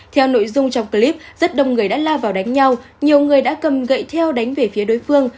theo nội dung trong clip rất đông người đã la vào đánh nhau nhiều người đã cầm gậy theo đánh về phía đối phương